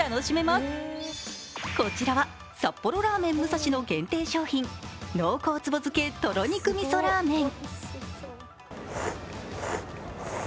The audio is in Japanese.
こちらは札幌ラーメン武蔵の限定商品、濃厚壷漬けとろ肉味噌ラーメン。